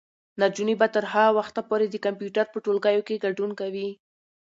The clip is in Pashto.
نجونې به تر هغه وخته پورې د کمپیوټر په ټولګیو کې ګډون کوي.